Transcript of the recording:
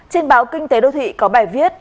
trên báo kinh tế đô thị có bài viết